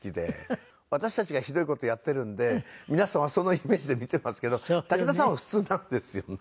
私たちがひどい事をやっているんで皆さんはそのイメージで見ていますけど武田さんは普通なんですよね。